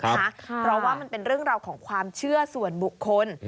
เพราะค่ะเราว่ามันเป็นหุ้นของความเชื่อส่วนบุคคล